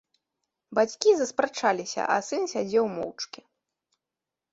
Бацькі заспрачаліся, а сын сядзеў моўчкі.